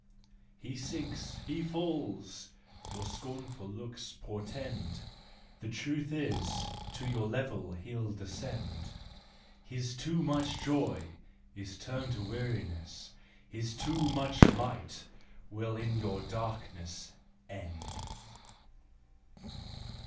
" He sinks, he falls," your scornful looks portend : The truth is, to your level he'll descend. His Too Much Joy is turned to weariness, His Too Much Light will in your darkness end.